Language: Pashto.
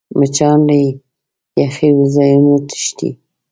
مچان له یخو ځایونو تښتي